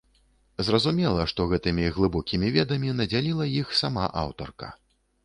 Зразумела, што гэтымі глыбокімі ведамі надзяліла іх сама аўтарка.